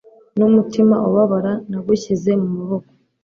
numutima ubabara, nagushyize mumaboko